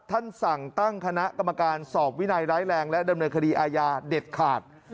ท่านสั่งตั้งคณะกรรมการสอบวินัยร้ายแรงและดำเนินคดีอาญาเด็ดขาด